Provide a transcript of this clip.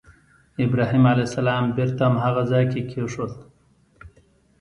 ابراهیم علیه السلام بېرته هماغه ځای کې کېښود.